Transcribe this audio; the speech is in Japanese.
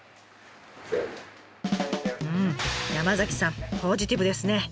山さんポジティブですね。